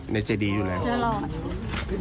ในเจดีหรือไงตลอด